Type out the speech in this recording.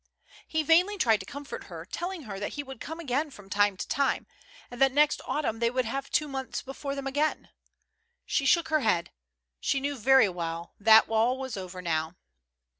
lie vainly tried to comfort her, telling her that he would come again from time to time, and that next autumn they would have two months before them again. She shook her head; she knew very well that all was over now.